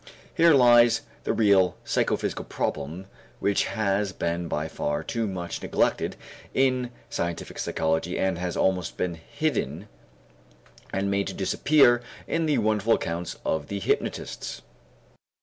Here lies the real psychophysical problem which has been by far too much neglected in scientific psychology and has almost been hidden and made to disappear in the wonderful accounts of the hypnotists.